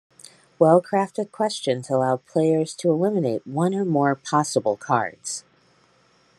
Well-crafted questions allow players to eliminate one or more possible cards.